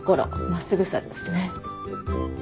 真っすぐさですね。